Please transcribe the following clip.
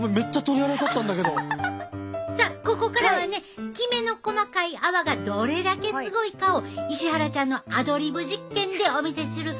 さあここからはねきめの細かい泡がどれだけすごいかを石原ちゃんのアドリブ実験でお見せする